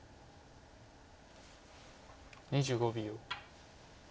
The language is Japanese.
２５秒。